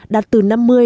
đạt từ năm mươi sáu mươi